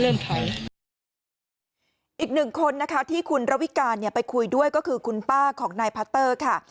อีกหนึ่งคนที่คุณละวิการไปคุยด้วยก็คือคุณป้าของนายพาเตอร์ค่ะ